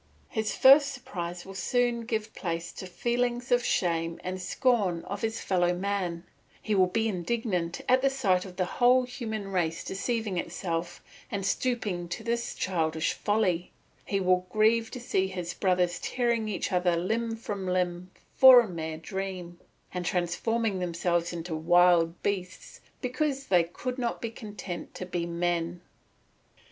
His first surprise will soon give place to feelings of shame and scorn of his fellow man; he will be indignant at the sight of the whole human race deceiving itself and stooping to this childish folly; he will grieve to see his brothers tearing each other limb from limb for a mere dream, and transforming themselves into wild beasts because they could not be content to be men.